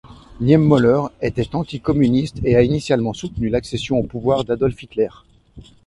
Niemöller était anti-communiste et a initialement soutenu l'accession au pouvoir d'Adolf Hitler.